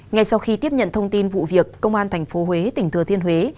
ngay sau khi tiếp nhận thông tin vụ việc công an tp huế tỉnh thừa thiên huế